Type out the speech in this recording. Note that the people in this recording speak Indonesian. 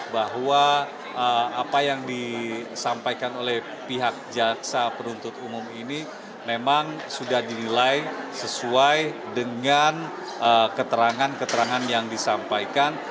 bahwa apa yang disampaikan oleh pihak jaksa penuntut umum ini memang sudah dinilai sesuai dengan keterangan keterangan yang disampaikan